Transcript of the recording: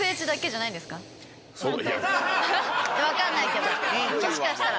分かんないけどもしかしたら。